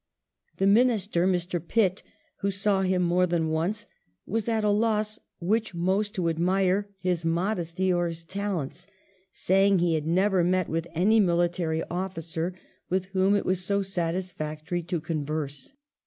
The Minister, Mr. Pitt, who saw him more than once, " was at a loss which most to ad mire, his modesty or his talents," saying "he had never met with any military officer with whom it was so satisfactory to converse."